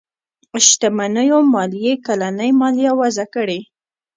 شتمنيو ماليې کلنۍ ماليه وضعه کړي.